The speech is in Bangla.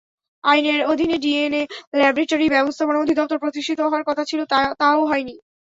আইনের অধীনে ডিএনএ ল্যাবরেটরি ব্যবস্থাপনা অধিদপ্তর প্রতিষ্ঠিত হওয়ার কথা ছিল, তাও হয়নি।